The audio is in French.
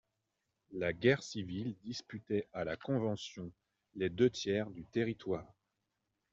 La guerre civile disputait à la Convention les deux tiers du territoire.